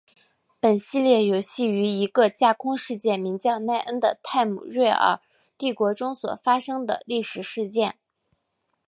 本系列游戏于一个架空世界名叫奈恩的泰姆瑞尔帝国中所发生的历史事件。